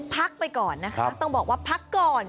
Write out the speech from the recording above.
พักไปก่อนนะคะต้องบอกว่าพักก่อน